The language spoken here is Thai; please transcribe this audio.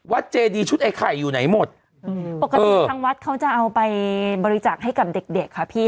เจดีชุดไอ้ไข่อยู่ไหนหมดอืมปกติทางวัดเขาจะเอาไปบริจาคให้กับเด็กเด็กค่ะพี่